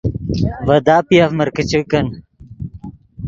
ڤے داپیف مرکیچے کن